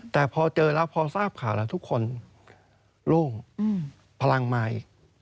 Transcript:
แต่พอเจอแล้วพอทราบข่าวแล้วทุกคนโล่งพลังมาอีก